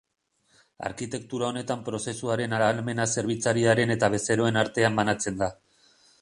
Arkitektura honetan prozesuaren ahalmena zerbitzariaren eta bezeroen artean banatzen da.